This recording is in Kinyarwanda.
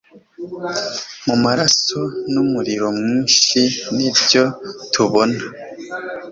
Mu maraso n'umuriro mwinshi nibyo tubona